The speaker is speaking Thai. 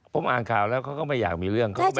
ผมอ่านข่าวแล้วเขาก็ไม่อยากมีเรื่อง